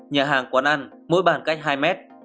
nhà hàng quán ăn mỗi bàn cách hai mét